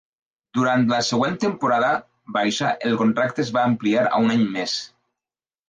Durant la següent temporada baixa, el contracte es va ampliar a un any més.